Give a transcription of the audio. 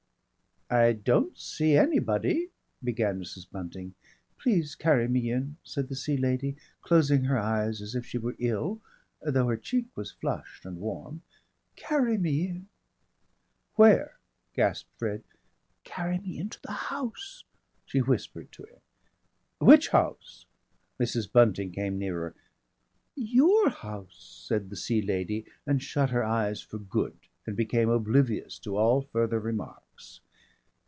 "I don't see anybody " began Mrs. Bunting. "Please carry me in," said the Sea Lady, closing her eyes as if she were ill though her cheek was flushed and warm. "Carry me in." "Where?" gasped Fred. "Carry me into the house," she whispered to him. "Which house?" Mrs. Bunting came nearer. "Your house," said the Sea Lady, and shut her eyes for good and became oblivious to all further remarks.